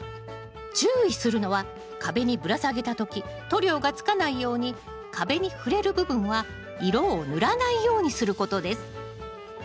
注意するのは壁にぶら下げた時塗料がつかないように壁に触れる部分は色を塗らないようにすることです